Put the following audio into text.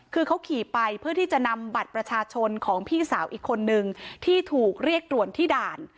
คือเขาขี่ไปเพื่อที่จะนำบัตรประชาชนของพี่สาวอีกคนนึงที่ถูกเรียกตรวจที่ด่าน